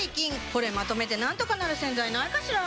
これまとめてなんとかなる洗剤ないかしら？